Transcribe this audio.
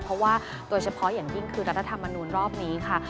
เพราะว่าโดยเฉพาะอย่างยิ่งคือรัฐธรรมนูลรอบนี้ค่ะ